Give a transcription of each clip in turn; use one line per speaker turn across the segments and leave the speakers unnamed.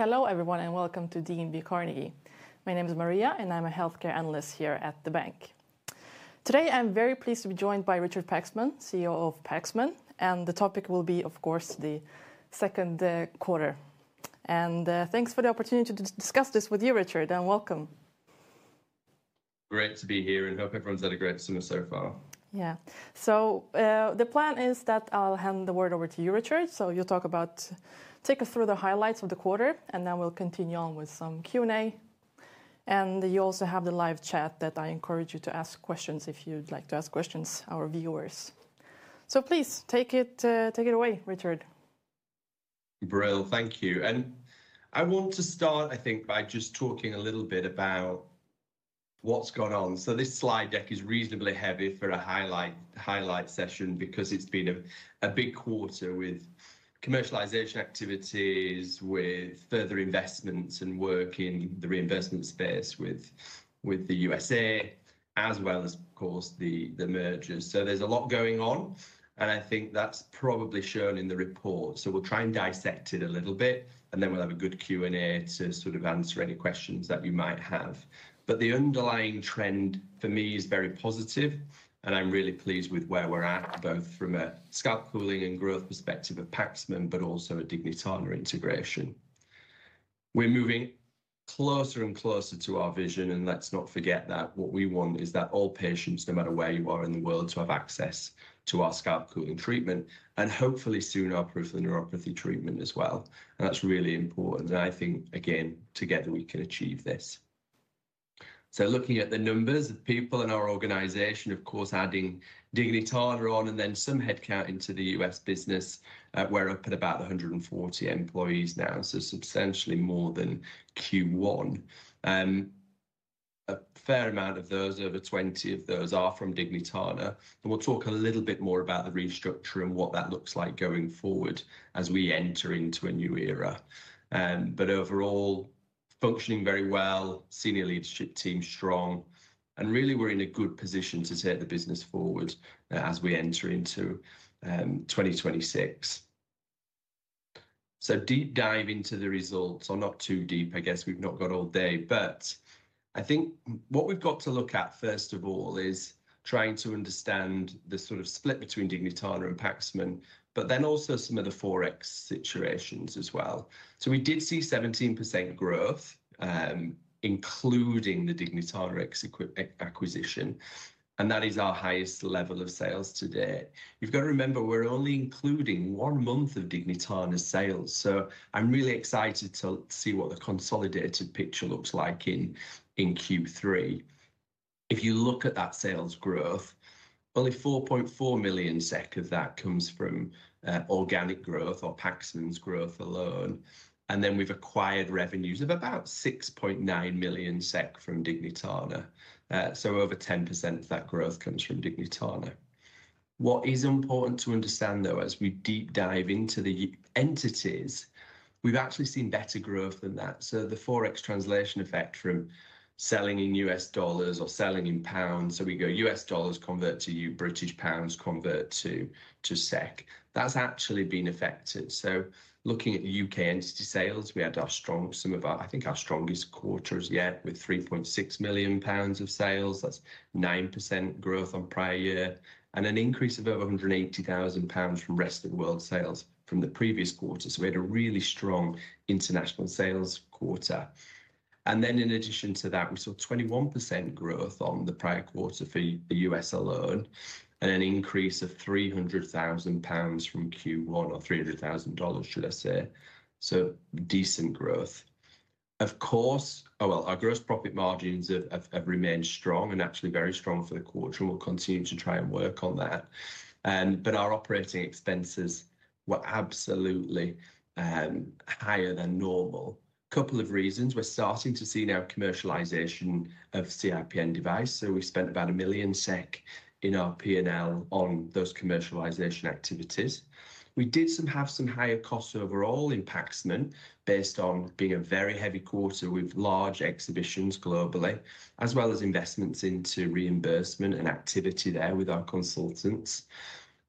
Hello everyone, and welcome to DNB Carnegie. My name is Maria, and I'm a Healthcare Analyst here at the bank. Today, I'm very pleased to be joined by Richard Paxman, CEO of Paxman. The topic will be, of course, the second quarter. Thanks for the opportunity to discuss this with you, Richard, and welcome.
Great to be here, and I hope everyone's had a great summer so far.
So, the plan is that I'll hand the word over to you, Richard. Take us through the highlights of the quarter, and then we'll continue on with some Q&A. You also have the live chat, that I encourage you to ask questions if you'd like to ask questions, our viewers. So please take it away, Richard.
Thank you. I want to start, I think, by just talking a little bit about what's gone on. This slide deck is reasonably heavy for a highlight session because it's been a big quarter with commercialization activities, with further investments and work in the reimbursement space with the U.S., as well as, of course, the mergers. There's a lot going on. I think that's probably shown in the report. We'll try and dissect it a little bit, and then we'll have a good Q&A to sort of answer any questions that you might have. The underlying trend for me is very positive, and I'm really pleased with where we're at, both from a scalp cooling and growth perspective of Paxman, but also a Dignitana integration. We're moving closer and closer to our vision. Let's not forget that what we want is that all patients, no matter where you are in the world, to have access to our scalp cooling treatment, and hopefully soon our peripheral neuropathy treatment as well. That's really important. I think, again, together we can achieve this. Looking at the numbers of people in our organization, of course, adding Dignitana on, and then some headcount into the U.S. business, we're up at about 140 employees now, so substantially more than Q1. A fair amount of those, over 20 of those, are from Dignitana. We'll talk a little bit more about the restructure and what that looks like going forward as we enter into a new era. Overall, functioning very well, senior leadership team strong, and really we're in a good position to take the business forward as we enter into 2026. Deep dive into the results, or not too deep, I guess we've not got all day, but I think what we've got to look at first of all is trying to understand the sort of split between Dignitana and Paxman, but then also some of the Forex situations as well. We did see 17% growth, including the Dignitana acquisition, and that is our highest level of sales to date. You've got to remember we're only including one month of Dignitana sales, so I'm really excited to see what the consolidated picture looks like in Q3. If you look at that sales growth, only 4.4 million SEK of that comes from organic growth or Paxman's growth alone. Then we've acquired revenues of about 6.9 million SEK from Dignitana. Over 10% of that growth comes from Dignitana.What is important to understand though, as we deep dive into the entities, we've actually seen better growth than that. The Forex translation effect from selling in U.S. dollars or selling in pounds, we go U.S. dollars convert to GBP, British pounds convert to SEK, that's actually been affected. Looking at the UK entity sales, we had some of our, I think our strongest quarters yet with £3.6 million of sales. That's 9% growth on prior year, and an increase of over £180,000 from rest of the world sales from the previous quarter. We had a really strong international sales quarter. In addition to that, we saw 21% growth on the prior quarter for the U.S. alone, and an increase of $300,000 from Q1, or $300,000, should I say. Decent growth. Our gross profit margins have remained strong and actually very strong for the quarter, and we'll continue to try and work on that. Our operating expenses were absolutely higher than normal. A couple of reasons, we're starting to see now commercialization of CIPN device, so we spent about 1 million SEK in our P&L on those commercialization activities. We did have some higher costs overall in Paxman based on being a very heavy quarter with large exhibitions globally, as well as investments into reimbursement and activity there with our consultants.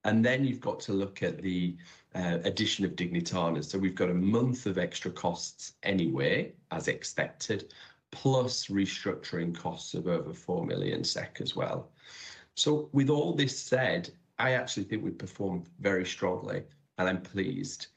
You've got to look at the addition of Dignitana. We've got a month of extra costs anyway, as expected, plus restructuring costs of over 4 million SEK as well. With all this said, I actually think we perform very strongly, and I'm pleased.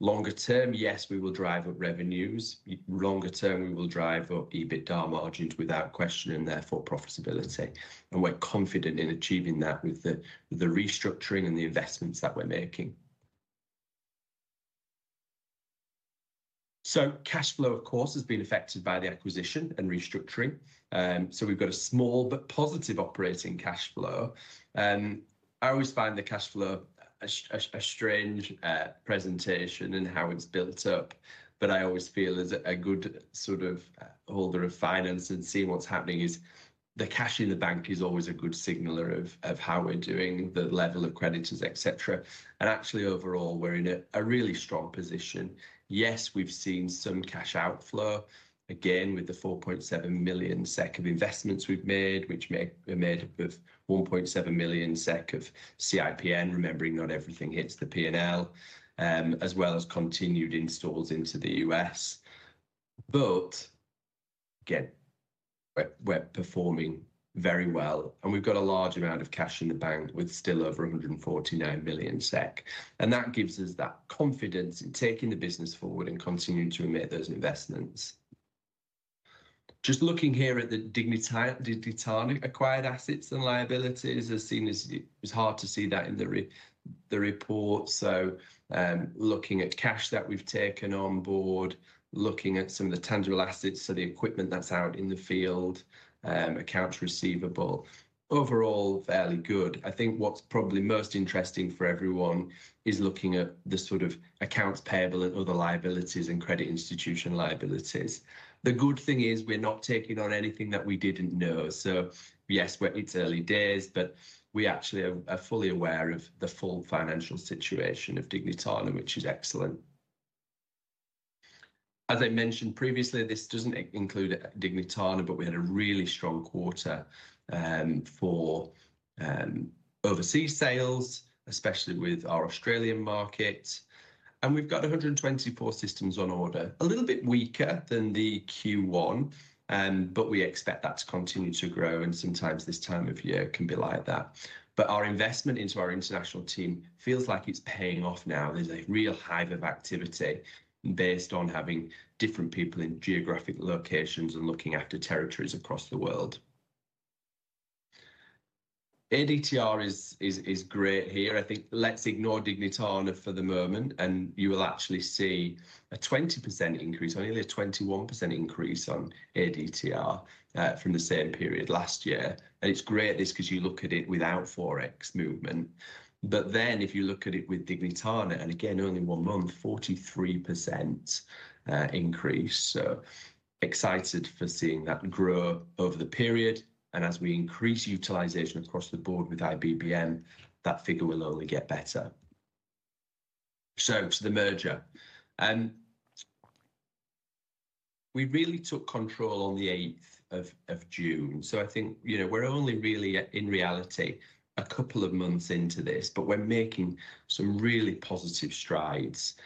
Longer term, yes, we will drive up revenues. Longer term, we will drive up EBITDA margins without question, and therefore profitability. We're confident in achieving that with the restructuring and the investments that we're making. Cash flow, of course, has been affected by the acquisition and restructuring. We've got a small but positive operating cash flow. I always find the cash flow a strange presentation in how it's built up, but I always feel as a good sort of holder of finance and see what's happening is the cash in the bank is always a good signal of how we're doing, the level of creditors, et cetera. Actually, overall, we're in a really strong position. Yes, we've seen some cash outflow, again with the 4.7 million SEK of investments we've made, which were made up of 1.7 million SEK of CIPN, remembering not everything hits the P&L, as well as continued installs into the U.S. We're performing very well, and we've got a large amount of cash in the bank with still over 149 million SEK. That gives us that confidence in taking the business forward and continuing to make those investments. Just looking here at the Dignitana acquired assets and liabilities, as it was hard to see that in the report. Looking at cash that we've taken on board, looking at some of the tangible assets, the equipment that's out in the field, accounts receivable, overall fairly good. I think what's probably most interesting for everyone is looking at the sort of accounts payable and other liabilities and credit institution liabilities. The good thing is we're not taking on anything that we didn't know. Yes, it's early days, but we actually are fully aware of the full financial situation of Dignitana, which is excellent. As I mentioned previously, this doesn't include Dignitana, but we had a really strong quarter for overseas sales, especially with our Australian market. We've got 124 systems on order, a little bit weaker than Q1, but we expect that to continue to grow, and sometimes this time of year can be like that. Our investment into our international team feels like it's paying off now. There's a real hive of activity based on having different people in geographic locations and looking after territories across the world. ADTR is great here. Let's ignore Dignitana for the moment, and you will actually see a 20% increase, only a 21% increase on ADTR from the same period last year. It's great because you look at it without Forex movement. If you look at it with Dignitana, and again only one month, 43% increase. Excited for seeing that grow over the period. As we increase utilization across the board with IBBM, that figure will only get better. To the merger, we really took control on the 8th of June. I think we're only really in reality a couple of months into this, but we're making some really positive strides.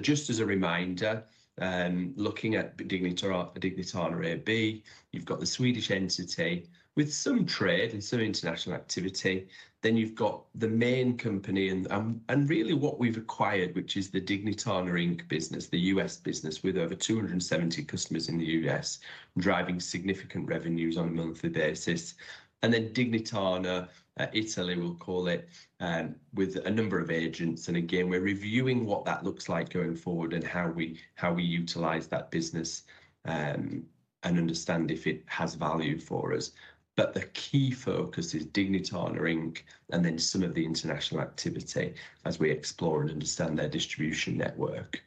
Just as a reminder, looking at Dignitana AB, you've got the Swedish entity with some trade and some international activity. Then you've got the main company, and really what we've acquired, which is the Dignitana Inc. business, the U.S. business with over 270 customers in the U.S., driving significant revenues on a monthly basis. Dignitana Italy, we'll call it, with a number of agents. We're reviewing what that looks like going forward and how we utilize that business and understand if it has value for us. The key focus is Dignitana Inc. and then some of the international activity as we explore and understand their distribution network.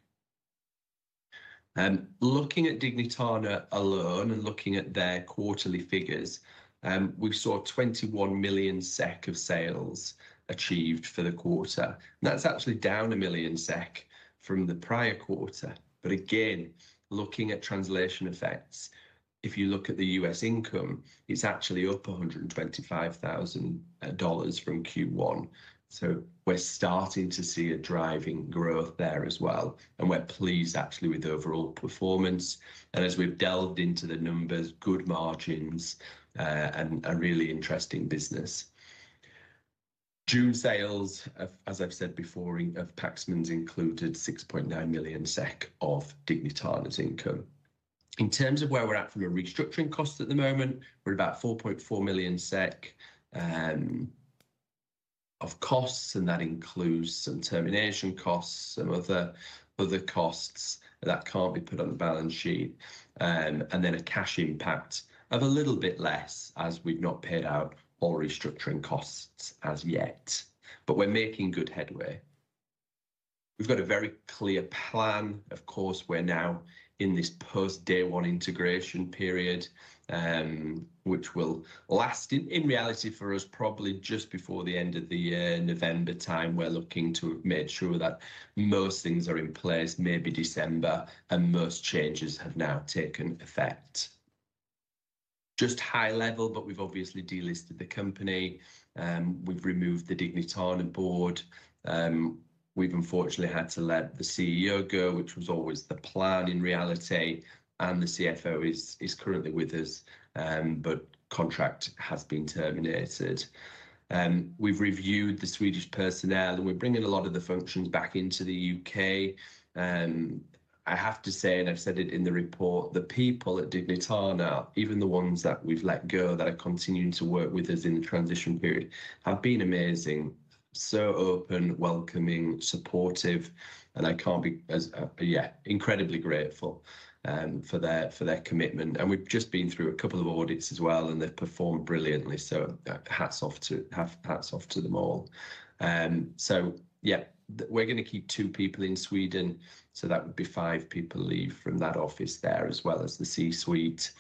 Looking at Dignitana alone and looking at their quarterly figures, we saw 21 million SEK of sales achieved for the quarter. That's actually down 1 million SEK from the prior quarter. Looking at translation effects, if you look at the U.S. income, it's actually up $125,000 from Q1. We're starting to see a driving growth there as well. We're pleased actually with the overall performance. As we've delved into the numbers, good margins and a really interesting business. June sales, as I've said before, of Paxman's included 6.9 million SEK of Dignitana's income. In terms of where we're at from a restructuring cost at the moment, we're at about 4.4 million SEK of costs, and that includes some termination costs and other costs that can't be put on the balance sheet. A cash impact of a little bit less as we've not paid out all restructuring costs as yet. We're making good headway. We've got a very clear plan. Of course, we're now in this post-day one integration period, which will last in reality for us probably just before the end of the year, November time. We're looking to make sure that most things are in place, maybe December, and most changes have now taken effect. Just high level, we've obviously delisted the company. We've removed the Dignitana board. We've unfortunately had to let the CEO go, which was always the plan in reality, and the CFO is currently with us, but the contract has been terminated. We've reviewed the Swedish personnel, and we're bringing a lot of the functions back into the UK. I have to say, and I've said it in the report, the people at Dignitana, even the ones that we've let go that are continuing to work with us in the transition period, have been amazing, so open, welcoming, supportive, and I can't be, as yeah, incredibly grateful for their commitment. We've just been through a couple of audits as well, and they've performed brilliantly. Hats off to them all. We're going to keep two people in Sweden, so that would be five people leave from that office there as well as the C-suite.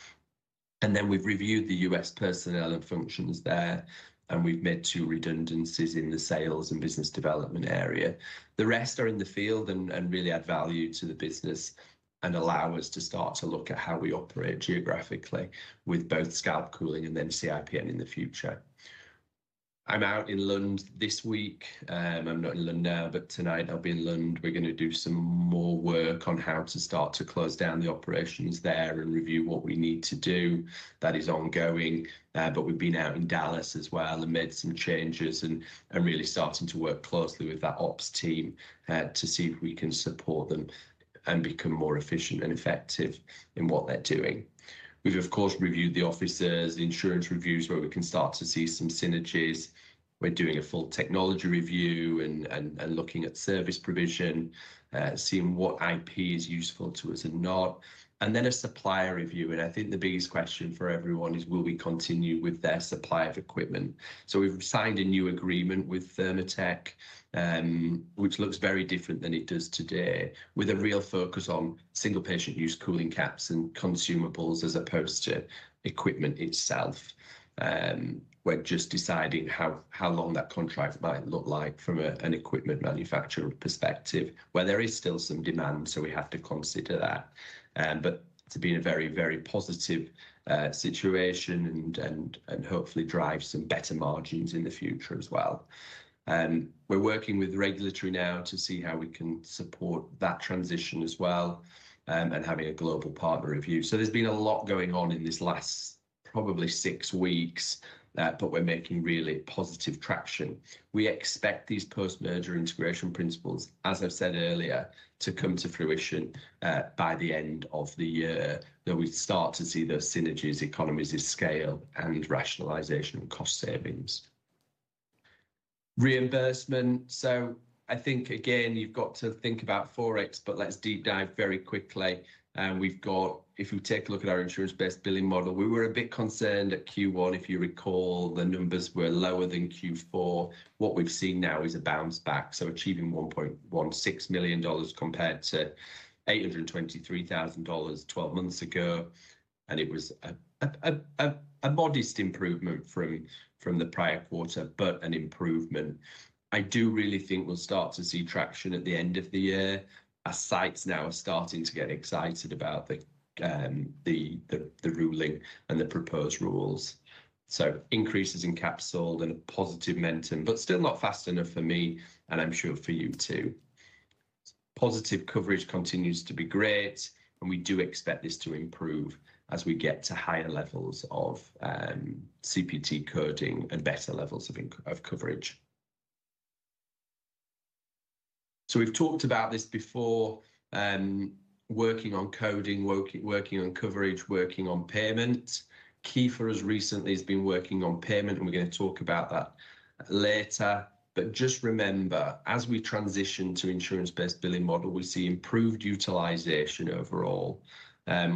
We have reviewed the U.S. personnel and functions there, and we have made two redundancies in the sales and business development area. The rest are in the field and really add value to the business and allow us to start to look at how we operate geographically with both scalp cooling and CIPN in the future. I am out in Lund this week. I am not in Lund now, but tonight I will be in Lund. We are going to do some more work on how to start to close down the operations there and review what we need to do. That is ongoing there, but we have been out in Dallas as well and made some changes and really starting to work closely with that ops team to see if we can support them and become more efficient and effective in what they are doing. We have, of course, reviewed the offices, the insurance reviews where we can start to see some synergies. We are doing a full technology review and looking at service provision, seeing what IP is useful to us and not, and then a supplier review. I think the biggest question for everyone is, will we continue with their supply of equipment? We have signed a new agreement with Thermatec, which looks very different than it does today, with a real focus on single patient use cooling caps and consumables as opposed to equipment itself. We are just deciding how long that contract might look like from an equipment manufacturer perspective, where there is still some demand, so we have to consider that. It has been a very, very positive situation and hopefully drives some better margins in the future as well. We are working with regulatory now to see how we can support that transition as well and having a global partner review. There has been a lot going on in this last probably six weeks, but we are making really positive traction. We expect these post-merger integration principles, as I have said earlier, to come to fruition by the end of the year, that we start to see those synergies, economies of scale, and rationalization and cost savings. Reimbursement. I think again, you have to think about Forex, but let us deep dive very quickly. We have, if we take a look at our insurance-based billing model, we were a bit concerned at Q1. If you recall, the numbers were lower than Q4. What we have seen now is a bounce back, so achieving $1.16 million compared to $823,000 twelve months ago. It was a modest improvement from the prior quarter, but an improvement. I do really think we will start to see traction at the end of the year. Our sites now are starting to get excited about the ruling and the proposed rules. Increases in capsole and a positive momentum, but still not fast enough for me, and I'm sure for you too. Positive coverage continues to be great, and we do expect this to improve as we get to higher levels of CPT coding and better levels of coverage. We've talked about this before, working on coding, working on coverage, working on payment. Key for us recently has been working on payment, and we're going to talk about that later. Just remember, as we transition to insurance-based billing model, we see improved utilization overall.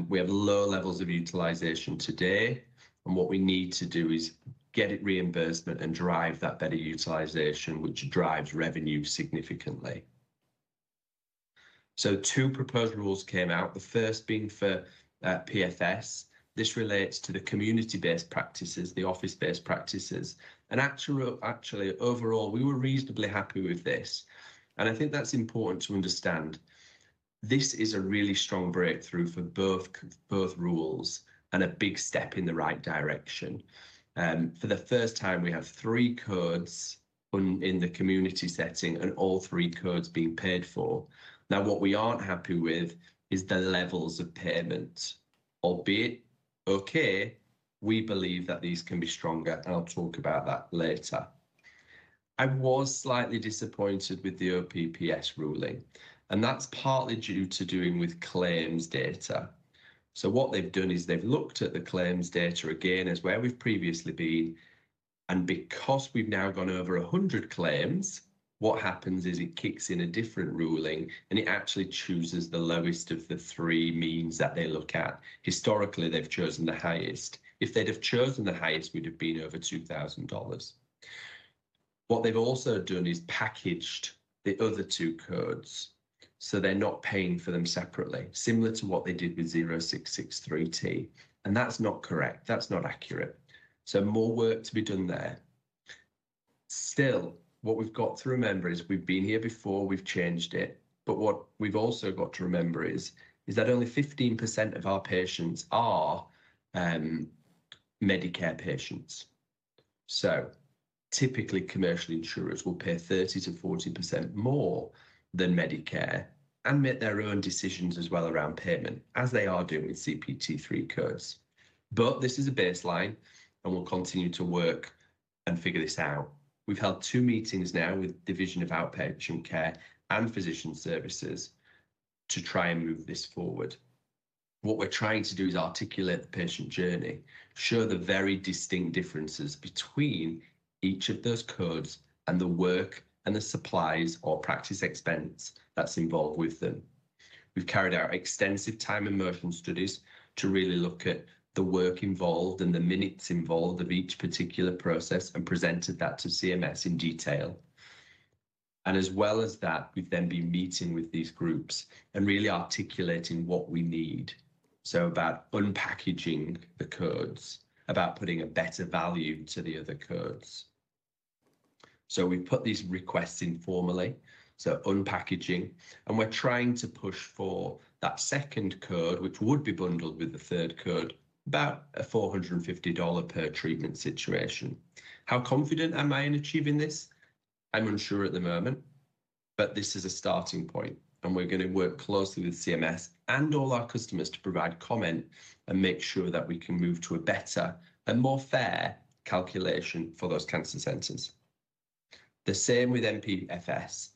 We have low levels of utilization today, and what we need to do is get it reimbursed and drive that better utilization, which drives revenue significantly. Two proposed rules came out, the first being for PFS. This relates to the community-based practices, the office-based practices. Overall, we were reasonably happy with this. I think that's important to understand. This is a really strong breakthrough for both rules and a big step in the right direction. For the first time, we have three codes in the community setting and all three codes being paid for. What we aren't happy with is the levels of payment, albeit okay, we believe that these can be stronger. I'll talk about that later. I was slightly disappointed with the OPPS ruling, and that's partly due to doing with claims data. What they've done is they've looked at the claims data again as where we've previously been. Because we've now gone over 100 claims, what happens is it kicks in a different ruling and it actually chooses the lowest of the three means that they look at. Historically, they've chosen the highest. If they'd have chosen the highest, we'd have been over $2,000. What they've also done is packaged the other two codes, so they're not paying for them separately, similar to what they did with 0663T. That's not correct. That's not accurate. More work to be done there. Still, what we've got to remember is we've been here before, we've changed it, but what we've also got to remember is that only 15% of our patients are Medicare patients. Typically, commercial insurers will pay 30% to 40% more than Medicare and make their own decisions as well around payment, as they are doing with CPT3 codes. This is a baseline, and we'll continue to work and figure this out. We've held two meetings now with the Division of Outpatient Care and Physician Services to try and move this forward. What we're trying to do is articulate the patient journey, show the very distinct differences between each of those codes and the work and the supplies or practice expense that's involved with them. We've carried out extensive time in motion studies to really look at the work involved and the minutes involved of each particular process and presented that to CMS in detail. As well as that, we've then been meeting with these groups and really articulating what we need. It's about unpackaging the codes, about putting a better value to the other codes. We've put these requests in formally, so unpackaging, and we're trying to push for that second code, which would be bundled with the third code, about a $450 per treatment situation. How confident am I in achieving this? I'm unsure at the moment, but this is a starting point, and we're going to work closely with CMS and all our customers to provide comment and make sure that we can move to a better and more fair calculation for those cancer centers. The same with MPFS.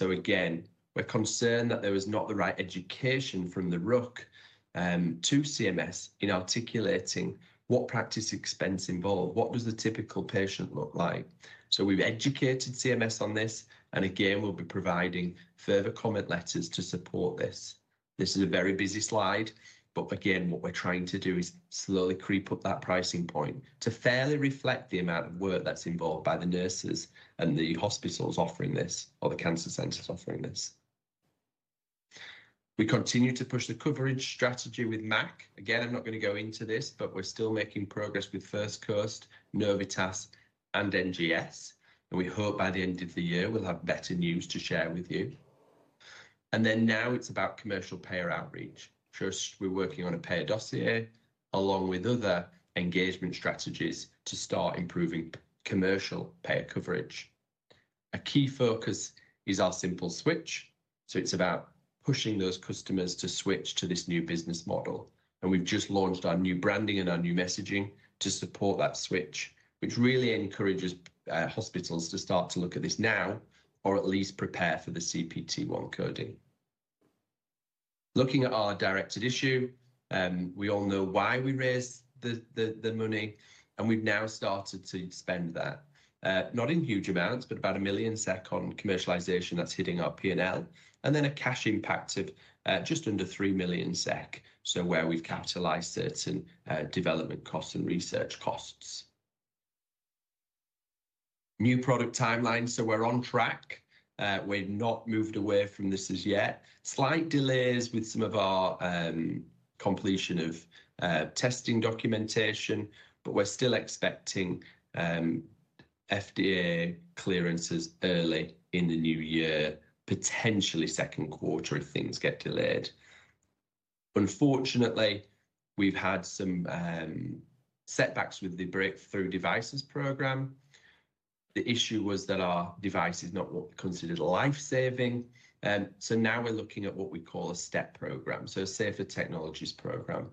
We're concerned that there was not the right education from the rook to CMS in articulating what practice expense involved, what was the typical patient look like. We've educated CMS on this, and we'll be providing further comment letters to support this. This is a very busy slide, but what we're trying to do is slowly creep up that pricing point to fairly reflect the amount of work that's involved by the nurses and the hospitals offering this or the cancer centers offering this. We continue to push the coverage strategy with MAC. I'm not going to go into this, but we're still making progress with First Coast, Novitas, and NGS. We hope by the end of the year, we'll have better news to share with you. Now it's about commercial payer outreach. First, we're working on a payer dossier along with other engagement strategies to start improving commercial payer coverage. A key focus is our simple switch. It's about pushing those customers to switch to this new business model. We've just launched our new branding and our new messaging to support that switch, which really encourages hospitals to start to look at this now or at least prepare for the CPT1 coding. Looking at our directed issue, we all know why we raised the money, and we've now started to spend that, not in huge amounts, but about 1 million SEK on commercialization that's hitting our P&L, and then a cash impact of just under 3 million SEK, where we've capitalized certain development costs and research costs. New product timeline, we're on track. We've not moved away from this as yet. There are slight delays with some of our completion of testing documentation, but we're still expecting FDA clearance early in the new year, potentially second quarter if things get delayed. Unfortunately, we've had some setbacks with the Breakthrough Devices Program. The issue was that our device is not considered life-saving, so now we're looking at what we call a STEP program, a Safer Technologies Program.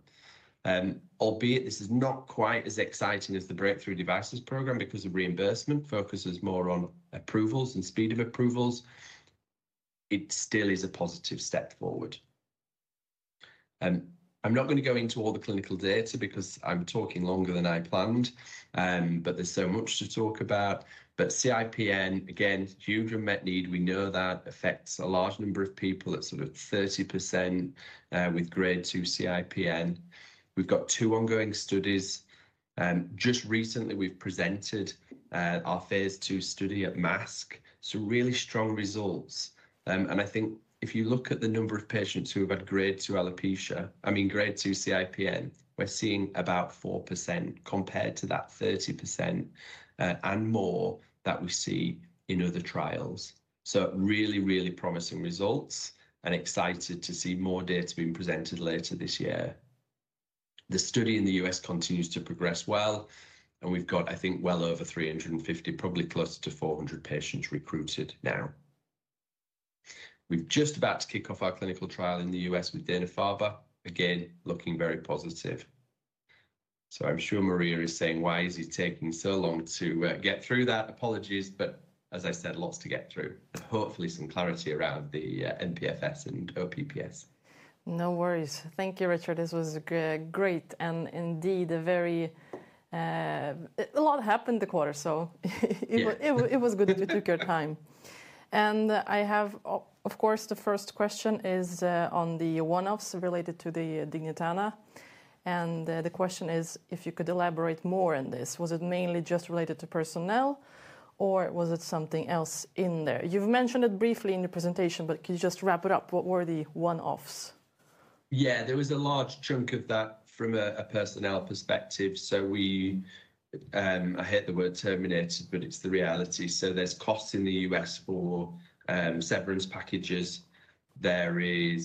Although this is not quite as exciting as the Breakthrough Devices Program because reimbursement focuses more on approvals and speed of approvals, it still is a positive step forward. I'm not going to go into all the clinical data because I'm talking longer than I planned, but there's so much to talk about. CIPN, again, huge unmet need. We know that affects a large number of people. It's sort of 30% with grade 2 CIPN. We've got two ongoing studies. Just recently, we've presented our phase two study at MASC. Really strong results. I think if you look at the number of patients who have had grade 2 alopecia, I mean grade 2 CIPN, we're seeing about 4% compared to that 30% and more that we see in other trials. Really, really promising results and excited to see more data being presented later this year. The study in the U.S. continues to progress well, and we've got, I think, well over 350, probably close to 400 patients recruited now. We're just about to kick off our clinical trial in the U.S. with Dana-Farber. Again, looking very positive. I'm sure Maria is saying, "Why is he taking so long to get through that?" Apologies, but as I said, lots to get through and hopefully some clarity around the NPFS and OPPS.
No worries. Thank you, Richard. This was great and indeed a lot happened the quarter, so it was good if it took your time. I have, of course, the first question is on the one-offs related to Dignitana. The question is, if you could elaborate more on this, was it mainly just related to personnel or was it something else in there? You've mentioned it briefly in your presentation, but could you just wrap it up? What were the one-offs?
Yeah, there was a large chunk of that from a personnel perspective. We, I hate the word terminated, but it's the reality. There are costs in the U.S. for severance packages,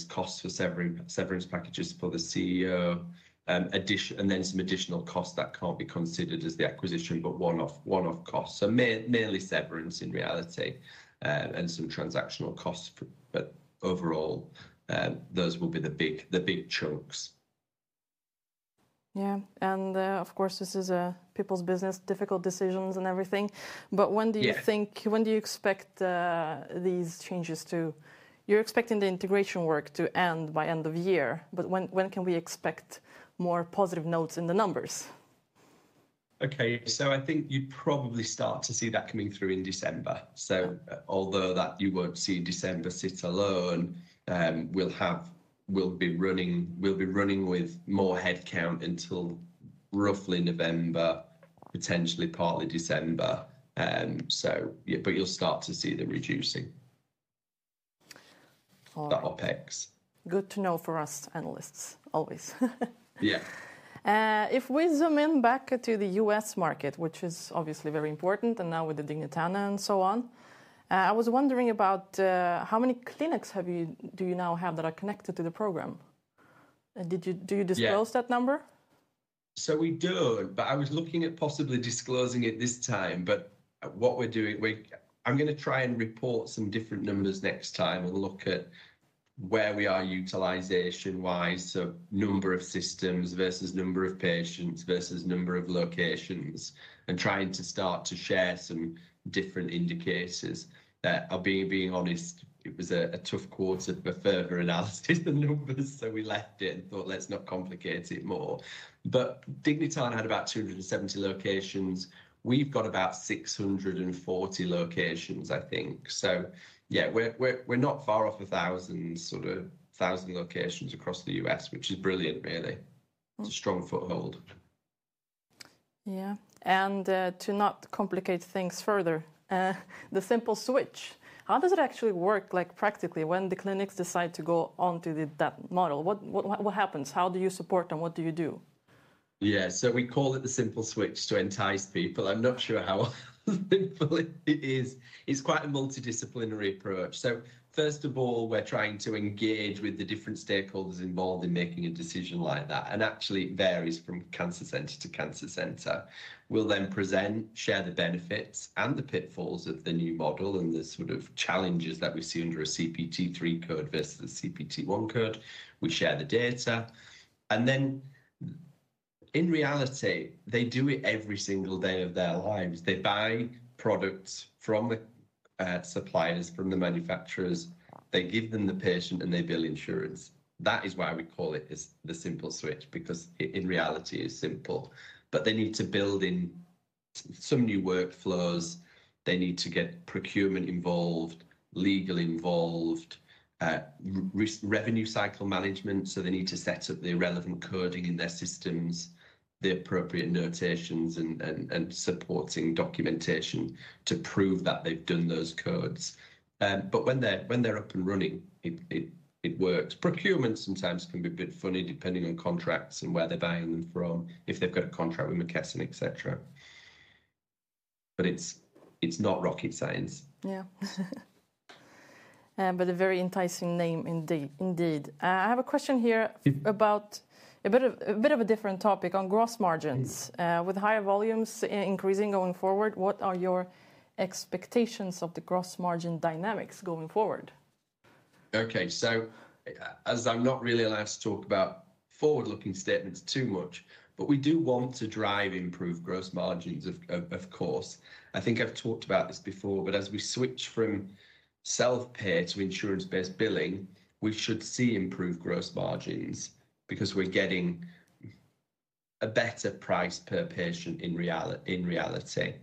costs for severance packages for the CEO, and then some additional costs that can't be considered as the acquisition, but one-off costs. Merely severance in reality and some transactional costs, but overall, those will be the big chunks.
Yeah, of course, this is a people's business, difficult decisions and everything. When do you think, when do you expect these changes to? You're expecting the integration work to end by end of year, but when can we expect more positive notes in the numbers?
I think you probably start to see that coming through in December. Although you won't see December sit alone, we'll be running with more headcount until roughly November, potentially partly December. You'll start to see the reducing of OpEx.
Good to know for us analysts, always.
Yeah.
If we zoom in back to the U.S. market, which is obviously very important, and now with Dignitana and so on, I was wondering about how many clinics do you now have that are connected to the program. Do you disclose that number?
We don't, but I was looking at possibly disclosing it this time. What we're doing, I'm going to try and report some different numbers next time. We'll look at where we are utilization-wise, so number of systems versus number of patients versus number of locations, and trying to start to share some different indicators. I'll be honest, it was a tough quarter for further and asked us the numbers, so we left it and thought, let's not complicate it more. Dignitana had about 270 locations. We've got about 640 locations, I think. We're not far off a thousand, sort of thousand locations across the U.S., which is brilliant, really. Strong foothold.
Yeah, to not complicate things further, the simple switch, how does it actually work? Like practically, when the clinics decide to go on to that model, what happens? How do you support them? What do you do?
Yeah, so we call it the simple switch to entice people. I'm not sure how it is. It's quite a multidisciplinary approach. First of all, we're trying to engage with the different stakeholders involved in making a decision like that. Actually, it varies from cancer center to cancer center. We'll then present, share the benefits and the pitfalls of the new model and the sort of challenges that we see under a CPT3 code versus a CPT1 code. We share the data. In reality, they do it every single day of their lives. They buy products from the suppliers, from the manufacturers. They give them the patient and they bill insurance. That is why we call it the simple switch, because in reality, it's simple. They need to build in some new workflows. They need to get procurement involved, legal involved, revenue cycle management. They need to set up the relevant coding in their systems, the appropriate notations, and supporting documentation to prove that they've done those codes. When they're up and running, it works. Procurement sometimes can be a bit funny depending on contracts and where they're buying them from, if they've got a contract with McKesson, et cetera. It's not rocket science.
Yeah, a very enticing name indeed. I have a question here about a bit of a different topic on gross margins. With higher volumes increasing going forward, what are your expectations of the gross margin dynamics going forward?
Okay, as I'm not really allowed to talk about forward-looking statements too much, we do want to drive improved gross margins, of course. I think I've talked about this before, but as we switch from self-pay to insurance-based billing, we should see improved gross margins because we're getting a better price per patient in reality.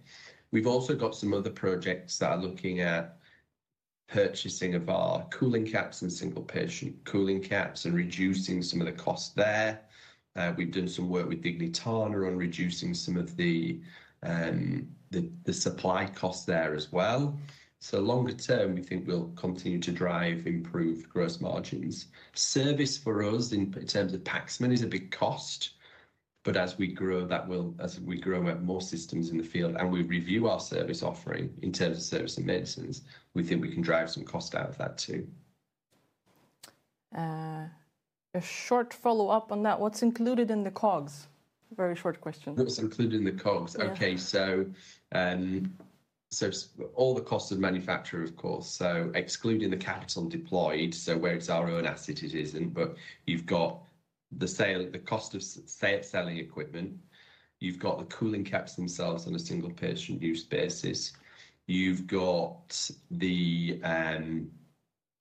We've also got some other projects that are looking at purchasing of our cooling caps and single patient use cooling caps and reducing some of the costs there. We've done some work with Dignitana on reducing some of the supply costs there as well. Longer term, we think we'll continue to drive improved gross margins. Service for us in terms of Paxman is a big cost, but as we grow that, as we grow more systems in the field and we review our service offering in terms of services and medicines, we think we can drive some cost out of that too.
A short follow-up on that. What's included in the COGS? Very short question.
What's included in the COGS? Okay, so all the costs of manufacturer, of course, so excluding the caps on deployed, so where it's our own asset, it isn't, but you've got the cost of sale of selling equipment. You've got the cooling caps themselves on a single patient use basis. You've got the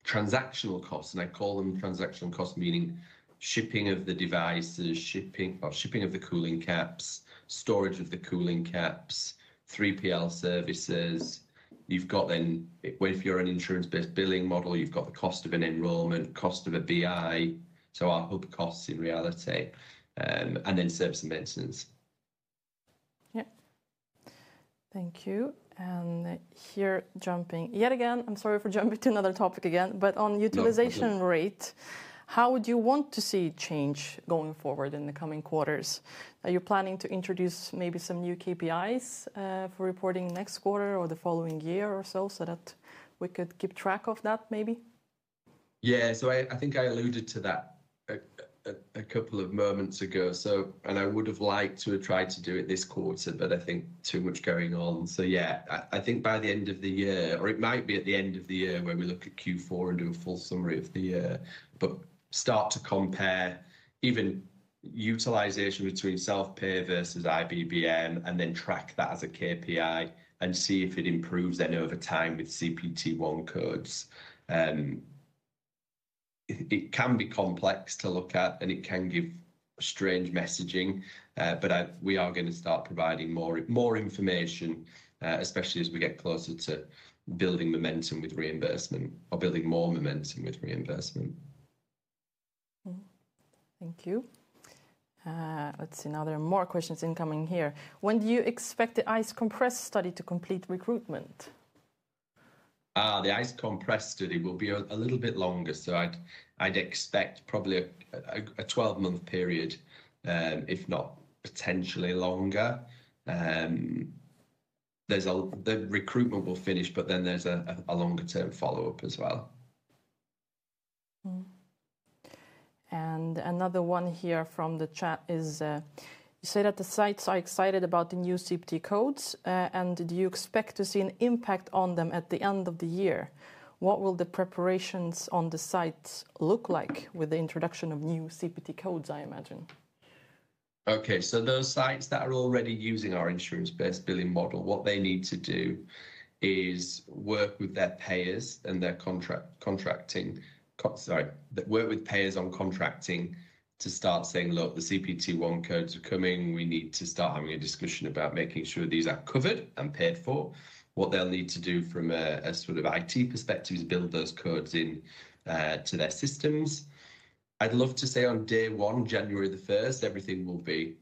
transactional costs, and I call them transactional costs, meaning shipping of the devices, shipping of the cooling caps, storage of the cooling caps, 3PL services. You've got then, if you're an insurance-based billing model, you've got the cost of an enrollment, cost of a BI, so our hub costs in reality, and then service and maintenance.
Thank you. I'm sorry for jumping to another topic again, but on utilization rate, how would you want to see change going forward in the coming quarters? Are you planning to introduce maybe some new KPIs for reporting next quarter or the following year or so, so that we could keep track of that maybe?
I think I alluded to that a couple of moments ago, and I would have liked to have tried to do it this quarter, but I think too much going on. I think by the end of the year, or it might be at the end of the year where we look at Q4 and do a full summary of the year, but start to compare even utilization between self-pay versus IBBM and then track that as a KPI and see if it improves then over time with CPT1 codes. It can be complex to look at, and it can give strange messaging, but we are going to start providing more information, especially as we get closer to building momentum with reimbursement or building more momentum with reimbursement.
Thank you. Let's see, now there are more questions incoming here. When do you expect the ice compress study to complete recruitment?
The ice compress study will be a little bit longer. I'd expect probably a 12-month period, if not potentially longer. The recruitment will finish, but then there's a longer-term follow-up as well.
You say that the sites are excited about the new CPT codes, and do you expect to see an impact on them at the end of the year? What will the preparations on the sites look like with the introduction of new CPT codes, I imagine?
Okay, so those sites that are already using our insurance-based billing model, what they need to do is work with their payers on contracting to start saying, "Look, the CPT1 codes are coming. We need to start having a discussion about making sure these are covered and paid for." What they'll need to do from a sort of IT perspective is build those codes into their systems. I'd love to say on day one, January 1, everything will be,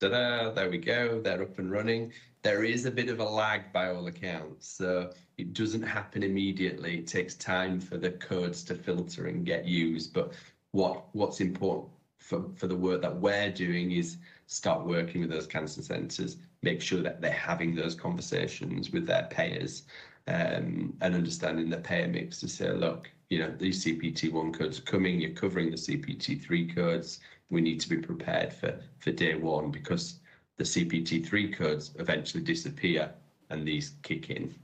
"Tada! There we go. They're up and running." There is a bit of a lag by all accounts, so it doesn't happen immediately. It takes time for the codes to filter and get used, but what's important for the work that we're doing is start working with those cancer centers, make sure that they're having those conversations with their payers and understanding the payer mix to say, "Look, you know these CPT1 codes are coming. You're covering the CPT3 codes. We need to be prepared for day one because the CPT3 codes eventually disappear and these kick in.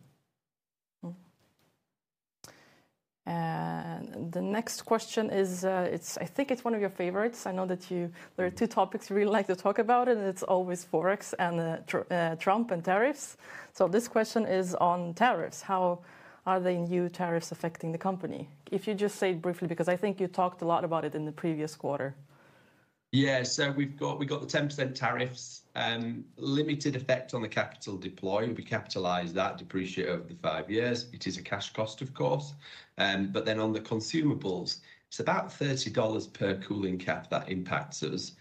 The next question is, I think it's one of your favorites. I know that there are two topics you really like to talk about, and it's always Forex and Trump and tariffs. This question is on tariffs. How are the new tariffs affecting the company? If you just say it briefly, because I think you talked a lot about it in the previous quarter.
Yeah, so we've got the 10% tariffs, limited effect on the capital deployed. We capitalize that, depreciate over the five years. It is a cash cost, of course. On the consumables, it's about $30 per cooling cap that impacts us.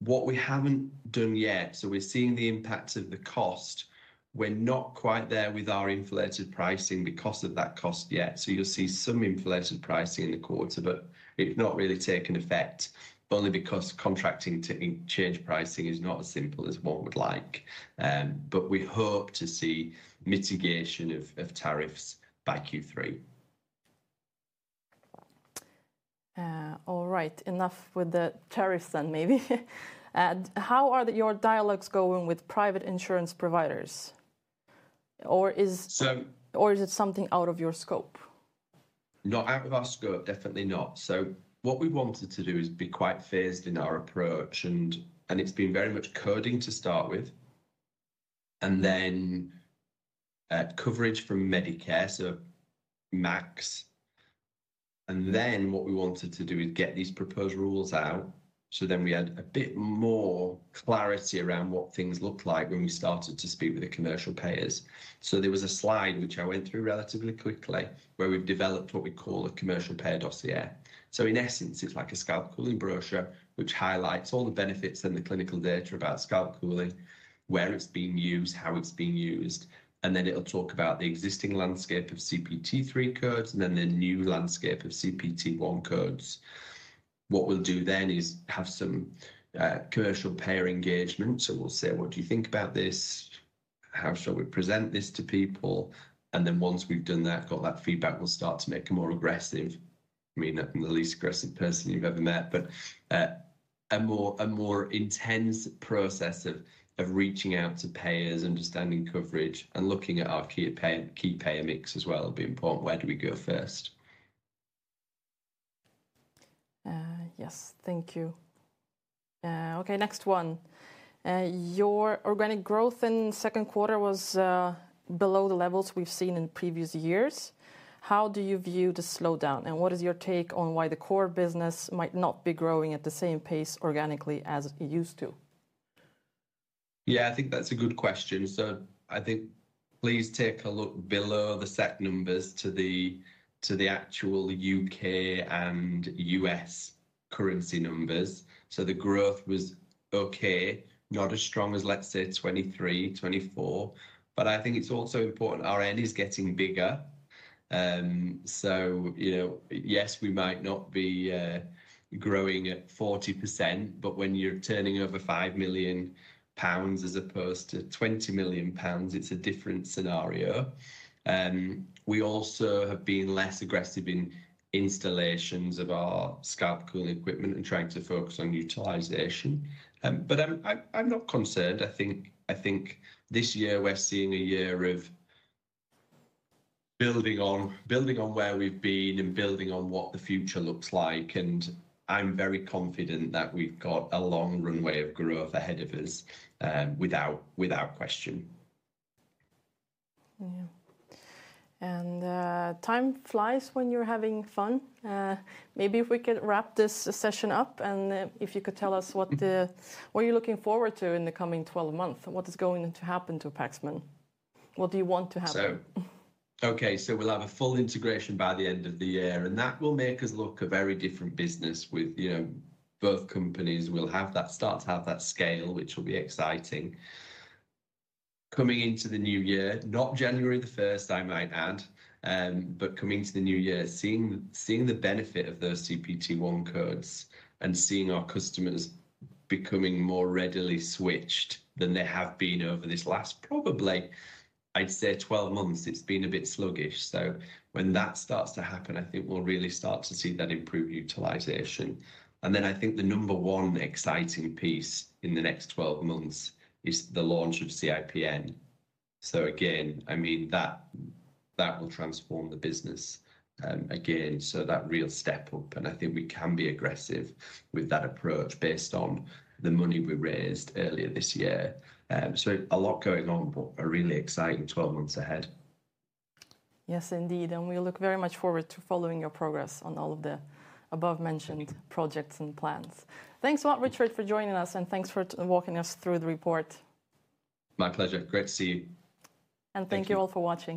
What we haven't done yet, we're seeing the impacts of the cost. We're not quite there with our inflated pricing, the cost of that cost yet. You'll see some inflated pricing in the quarter, but it's not really taken effect, only because contracting to change pricing is not as simple as one would like. We hope to see mitigation of tariffs back you through.
All right, enough with the tariffs then. Maybe, how are your dialogues going with private insurance providers? Or is it something out of your scope?
Not out of our scope, definitely not. What we wanted to do is be quite fierce in our approach, and it's been very much coding to start with, and then coverage from Medicare, so MAC. What we wanted to do is get these proposed rules out, so we had a bit more clarity around what things looked like when we started to speak with the commercial payers. There was a slide which I went through relatively quickly where we've developed what we call a commercial payer dossier. In essence, it's like a scalp cooling brochure which highlights all the benefits and the clinical data about scalp cooling, where it's being used, how it's being used, and then it'll talk about the existing landscape of CPT3 codes and then the new landscape of CPT1 codes. What we'll do then is have some commercial payer engagement. We'll say, "What do you think about this? How shall we present this to people?" Once we've done that, got that feedback, we'll start to make a more aggressive, I mean the least aggressive person you've ever met, but a more intense process of reaching out to payers, understanding coverage, and looking at our key payer mix as well. It'll be important. Where do we go first?
Yes, thank you. Okay, next one. Your organic growth in the second quarter was below the levels we've seen in previous years. How do you view the slowdown, and what is your take on why the core business might not be growing at the same pace organically as it used to?
I think that's a good question. Please take a look below the set numbers to the actual UK and U.S. currency numbers. The growth was okay, not as strong as, let's say, 2023, 2024. I think it's also important our end is getting bigger. Yes, we might not be growing at 40%, but when you're turning over £5 million as opposed to £20 million, it's a different scenario. We also have been less aggressive in installations of our scalp cooling equipment and tried to focus on utilization. I'm not concerned. I think this year we're seeing a year of building on where we've been and building on what the future looks like. I'm very confident that we've got a long runway of growth ahead of us without question.
Time flies when you're having fun. Maybe if we can wrap this session up and if you could tell us what you're looking forward to in the coming 12 months, what is going to happen to Paxman? What do you want to happen?
Okay, so we'll have a full integration by the end of the year, and that will make us look a very different business with both companies. We'll that start, to have that scale, which will be exciting. Coming into the new year, not January 1, I might add, but coming to the new year, seeing the benefit of those CPT codes and seeing our customers becoming more readily switched than they have been over this last, probably I'd say 12 months. It's been a bit sluggish. When that starts to happen, I think we'll really start to see that improve utilization. I think the number one exciting piece in the next 12 months is the launch of the CIPN device. That will transform the business again, so that real step up. I think we can be aggressive with that approach based on the money we raised earlier this year. A lot going on, but a really exciting 12 months ahead.
Yes, indeed. We look very much forward to following your progress on all of the above-mentioned projects and plans. Thanks a lot, Richard, for joining us, and thanks for walking us through the report.
My pleasure. Great to see you.
Thank you all for watching.